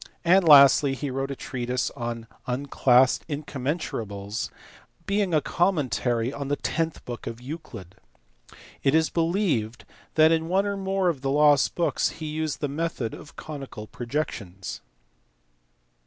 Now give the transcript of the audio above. And lastly he wrote a treatise on unclassed incommensurableSj being a commentary on the tenth book of Euclid. It is believed that in one or more of the lost books he used the method of conical projections.